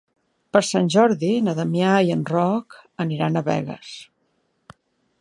Per Sant Jordi na Damià i en Roc aniran a Begues.